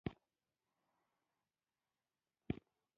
که خلک یو بل واوري، نو پوهه به زیاته شي.